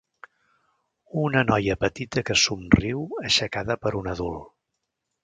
Una noia petita que somriu aixecada per un adult.